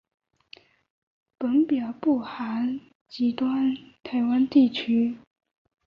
本表不含未实际统治之台湾地区。